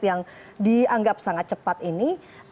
yang dianggap sangat cepat ini